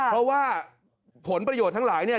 เพราะว่าผลประโยชน์ทั้งหลายเนี่ย